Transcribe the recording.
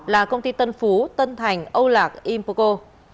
là công ty tân phú tân thành âu lạc impoco